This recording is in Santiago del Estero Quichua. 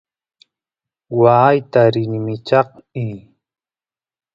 waayta rini michaqy